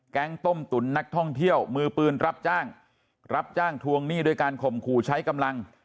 ต้มตุ๋นนักท่องเที่ยวมือปืนรับจ้างรับจ้างทวงหนี้ด้วยการข่มขู่ใช้กำลัง